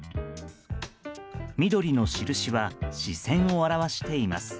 緑の印は、視線を表しています。